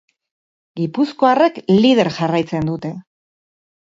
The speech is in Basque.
Gipuzkoarrek lider jarraitzen dute.